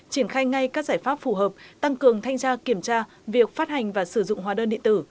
triển khai ngay các giải pháp phù hợp tăng cường thanh tra kiểm tra việc phát hành và sử dụng hóa đơn điện tử